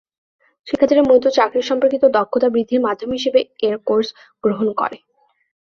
শিক্ষার্থীরা মূলত চাকরি সম্পর্কিত দক্ষতা বৃদ্ধির মাধ্যম হিসাবে এর কোর্স গ্রহণ করে।